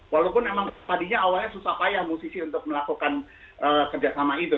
walaupun memang tadinya awalnya susah payah musisi untuk melakukan kerjasama itu